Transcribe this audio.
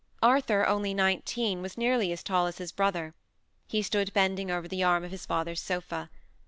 Arthur, only nineteen, was nearly as tall as his brother. He stood bending over the arm of his father's sofa.